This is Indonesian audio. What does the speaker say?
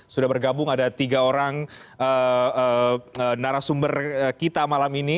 sudah bergabung ada tiga orang narasumber kita malam ini